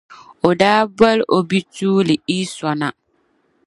o daa boli o bituuli Iso na.